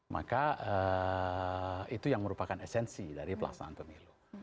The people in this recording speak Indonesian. maka itu yang merupakan esensi dari pelaksanaan pemilu